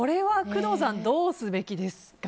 工藤さんこれはどうすべきですか？